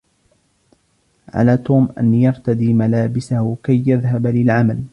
على توم أن يرتدي ملابسه كي يذهب للعمل.